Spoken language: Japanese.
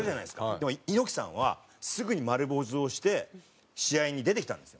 でも猪木さんはすぐに丸坊主をして試合に出てきたんです。